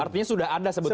artinya sudah ada sebetulnya